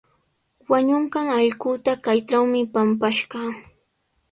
Wañunqan allquuta kaytrawmi pampashqaa.